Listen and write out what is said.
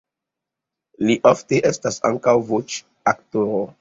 Li ofte estas ankaŭ voĉoaktoro.